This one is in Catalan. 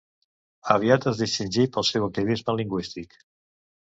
Aviat es distingí pel seu activisme lingüístic.